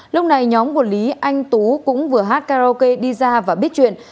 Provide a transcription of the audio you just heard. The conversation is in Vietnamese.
lúc này nhóm của lý anh tú cũng vừa hát karaoke đi ra và biết chuyện